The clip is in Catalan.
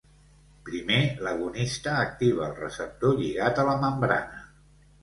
Primer, l'agonista activa el receptor lligat a la membrana.